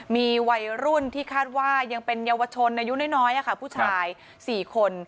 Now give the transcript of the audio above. มีวัยรุ่นที่คาดว่ายังเป็นเยาวชนอายุน้อยผู้ชาย๔คน